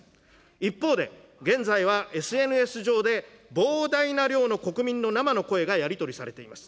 一方で、現在はＳＮＳ上で、膨大な量の国民の生の声がやり取りされています。